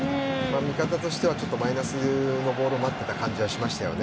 味方としてはマイナスのボールを待ってた感じはしましたよね。